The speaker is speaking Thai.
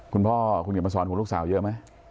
คุณพ่อคุณเขียนมาสอนห่วงลูกสาวเยอะไหม